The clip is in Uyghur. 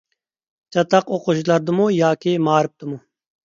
چاتاق ئوقۇغۇچىلاردىمۇ ياكى مائارىپتىمۇ؟